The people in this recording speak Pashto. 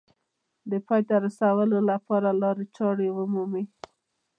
د پای ته رسولو لپاره لارې چارې ومومي